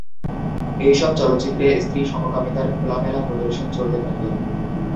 এই সব চলচ্চিত্রে স্ত্রী-সমকামিতার খোলামেলা প্রদর্শন চলতে থাকে।